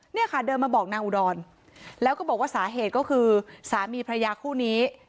เนี่ยค่ะเดินมาบอกนางอุดรแล้วก็บอกว่าสาเหตุก็คือสามีพระยาคู่นี้